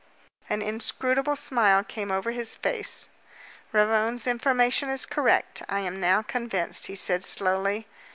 An inscrutable smile came over his face. "Ravone's information is correct, I am now convinced," he said slowly.